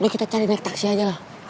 kita cari naik taksi aja lah